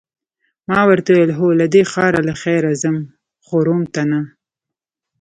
ما ورته وویل: هو، له دې ښاره له خیره ځم، خو روم ته نه.